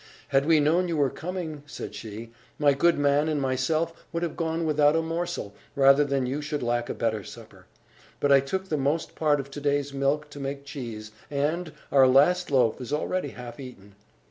"Had we known you were coming," said she, "my good man and myself would have gone without a morsel, rather than you should lack a better supper. But I took the most part of to day's milk to make cheese; and our last loaf is already half eaten.